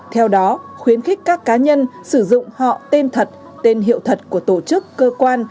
theo đó khuyến khích các cá nhân sử dụng họ tên thật tên hiệu thật của tổ chức cơ quan